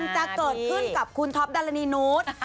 อย่างนั้นจะเกิดขึ้นกับคุณต๊อปดะละโน้ต